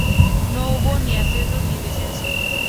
No hubo ni ascensos ni descensos.